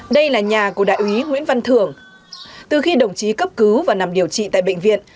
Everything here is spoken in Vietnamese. đây là nhà của đại úy nguyễn văn thường từ khi đồng chí cấp cứu và nằm điều trị tại bệnh viện